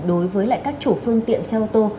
đối với các chủ phương tiện xe ô tô